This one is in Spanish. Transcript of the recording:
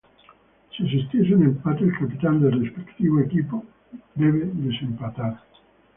Si existiese un empate, el capitán del respectivo equipo debe desempatar.